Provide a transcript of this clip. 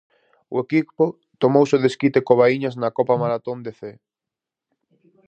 O equipo tomouse o desquite co Baíñas na copa-maratón de Cee.